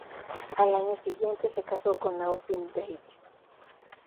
Al año siguiente se casó con Austin Davies.